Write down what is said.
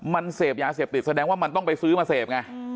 มันเสพยาเสพติดแสดงว่ามันต้องไปซื้อมาเสพไง